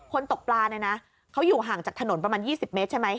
ตกปลาเนี่ยนะเขาอยู่ห่างจากถนนประมาณ๒๐เมตรใช่ไหม